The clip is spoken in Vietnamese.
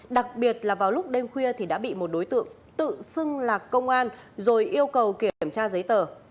đặc biệt là vào lúc đêm khuya thì đã bị một đối tượng tự xưng lạc công an rồi yêu cầu kiểm tra giấy tờ